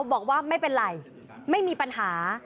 บอกว่าไม่เป็นไรไม่มีปัญหา